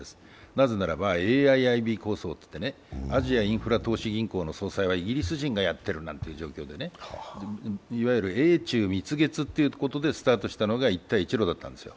なぜならばＡＩＩＢ構想といって、アジアインフラ投資銀行はイギリス人がやっているといういわゆる英中蜜月ということでスタートしたのが一帯一路だったんですよ。